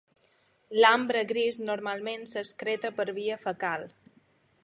L'ambre gris normalment s'excreta per via fecal.